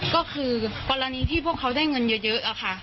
ก็คือกรณีที่พวกเขาได้เงินเยอะค่ะ